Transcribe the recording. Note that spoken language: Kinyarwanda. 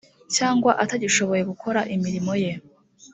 cyangwa atagishoboye gukora imirimo ye